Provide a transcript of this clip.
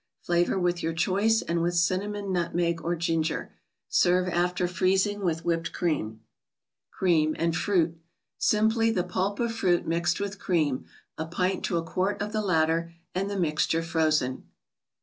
Flavor with your choice, and with cin¬ namon, nutmeg or ginger. Serve after freezing, with Whipped Cream. Cream anti •Jfrutt. Sim P 1 y the p u, p of fruit mixed with cream, a pint to a quart of the latter, and the mixture frozen.